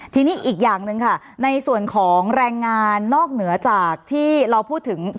ทีนี้อีกอย่างหนึ่งค่ะในส่วนของแรงงานนอกเหนือจากที่เราพูดถึง